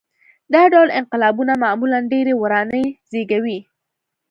دا ډول انقلابونه معمولاً ډېرې ورانۍ زېږوي.